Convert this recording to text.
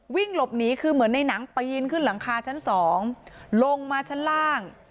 วิ่งหลบหนีคือเหมือนในหนังปีนขึ้นหลังคาชั้นสองลงมาชั้นล่าง